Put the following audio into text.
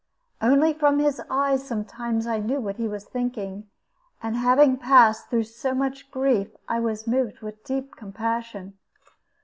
Only from his eyes sometimes I knew what he was thinking; and having passed through so much grief, I was moved with deep compassion.